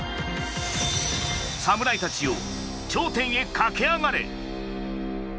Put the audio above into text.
侍たちよ、頂点へ駆け上がれ！